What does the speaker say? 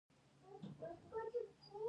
د موسیقۍ ږغونه روح ته ارامتیا ورکوي.